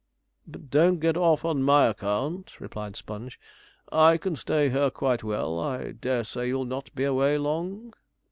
'But don't get off on my account,' replied Sponge. 'I can stay here quite well. I dare say you'll not be away long.'